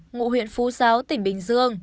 ngụ huyện phú giáo tỉnh bình dương